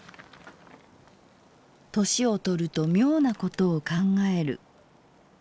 「齢をとると妙なことを考える。